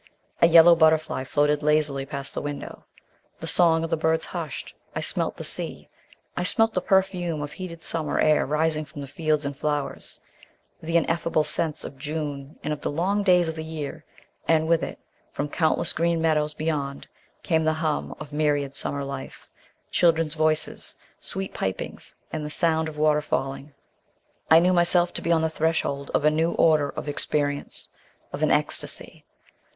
A yellow butterfly floated lazily past the window. The song of the birds hushed I smelt the sea I smelt the perfume of heated summer air rising from fields and flowers, the ineffable scents of June and of the long days of the year and with it, from countless green meadows beyond, came the hum of myriad summer life, children's voices, sweet pipings, and the sound of water falling. I knew myself to be on the threshold of a new order of experience of an ecstasy.